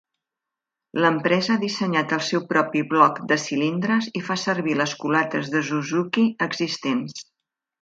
L'empresa ha dissenyat el seu propi bloc de cilindres i fa servir les culates de Suzuki existents.